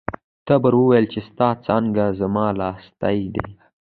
تبر وویل چې ستا څانګه زما لاستی دی.